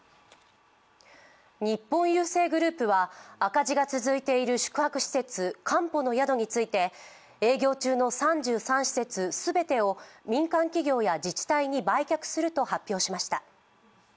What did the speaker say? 日本郵政グループは赤字が続いている宿泊施設かんぽの宿について、営業中の３３施設全てを民間企業や自治体に売却すると発表しました。